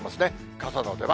傘の出番。